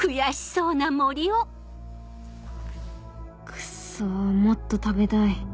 クッソもっと食べたい